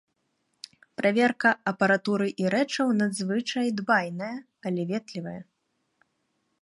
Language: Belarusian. Праверка апаратуры і рэчаў надзвычай дбайная, але ветлівая.